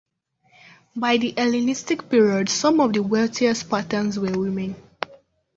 By the Hellenistic Period, some of the wealthiest Spartans were women.